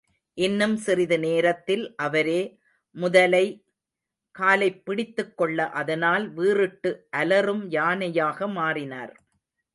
இன்னும் சிறிது நேரத்தில் அவரே, முதலை காலைப் பிடித்துக் கொள்ள அதனால் வீறிட்டு அலறும் யானையாக மாறினார்.